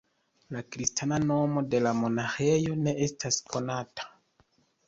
La kristana nomo de la monaĥejo ne estas konata.